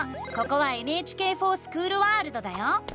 ここは「ＮＨＫｆｏｒＳｃｈｏｏｌワールド」だよ！